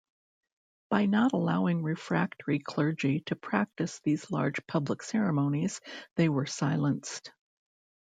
By not allowing refractory clergy to practice these large public ceremonies they were silenced.